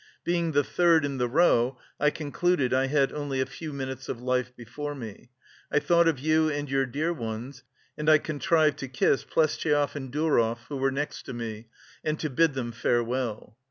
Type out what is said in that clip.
Being the third in the row, I concluded I had only a few minutes of life before me. I thought of you and your dear ones and I contrived to kiss Plestcheiev and Dourov, who were next to me, and to bid them farewell.